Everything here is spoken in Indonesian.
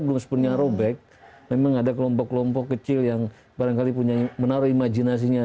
belum sepenuhnya robek memang ada kelompok kelompok kecil yang barangkali punya menaruh imajinasinya